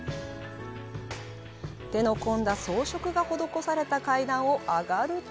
手の込んだ装飾が施された階段を上がると。